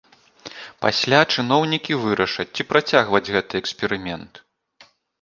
Пасля чыноўнікі вырашаць, ці працягваць гэты эксперымент.